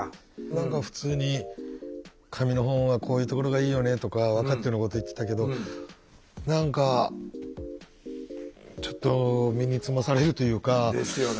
何か普通に「紙の本はこういうところがいいよね」とか分かってるようなこと言ってたけど何かちょっと身につまされるというか。ですよね。